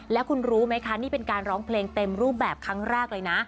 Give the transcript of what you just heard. แล้วคุณรู้ไหมคะนี่เป็นการร้องเพลงเต็มรูปแบบครั้งแรกเลยนะ